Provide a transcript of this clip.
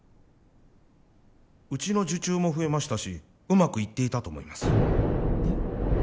うちの受注も増えましたしうまくいっていたと思いますえっ！？